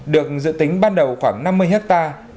được dự tính ban đầu khoảng năm mươi hectare